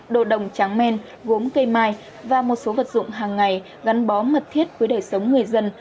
đồ đồng tráng men gốm cây mai và một số vật dụng hàng ngày gắn bó mật thiết với đời sống người dân